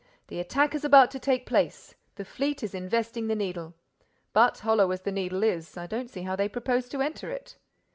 "The attack is about to take place. The fleet is investing the Needle. But, hollow as the Needle is, I don't see how they propose to enter it."